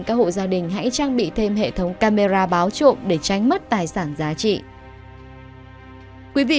các hộ gia đình hãy trang bị thêm hệ thống camera báo trộm để tránh mất tài sản giá trị